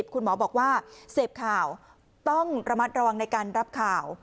คุณหมอบอกว่าเสพข่าวต้องระมัดระวังในการรับข่าว